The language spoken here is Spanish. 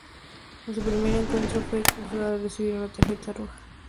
En su primer encuentro fue expulsado al recibir una tarjeta roja.